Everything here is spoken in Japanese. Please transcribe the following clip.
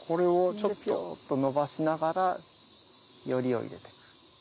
ちょっと伸ばしながら撚りを入れてく。